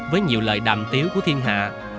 với nhiều lời đàm tiếu của thiên hạ